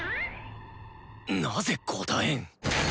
なぜ答えん？